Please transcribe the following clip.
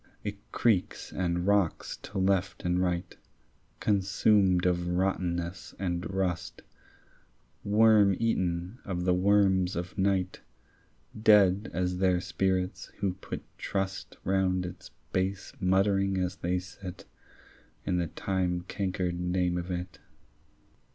It creaks and rocks to left and right Consumed of rottenness and rust, Worm eaten of the worms of night, Dead as their spirits who put trust, Round its base muttering as they sit, In the time cankered name of it.